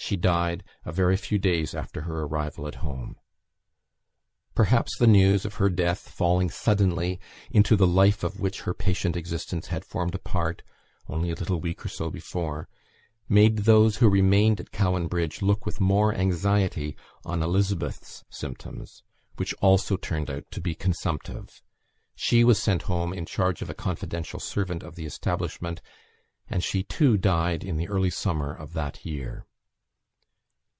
She died a very few days after her arrival at home. Perhaps the news of her death falling suddenly into the life of which her patient existence had formed a part, only a little week or so before, made those who remained at Cowan Bridge look with more anxiety on Elizabeth's symptoms, which also turned out to be consumptive. She was sent home in charge of a confidential servant of the establishment; and she, too, died in the early summer of that year.